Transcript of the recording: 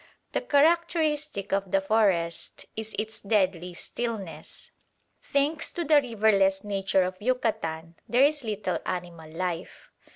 The characteristic of the forest is its deadly stillness. Thanks to the riverless nature of Yucatan there is little animal life.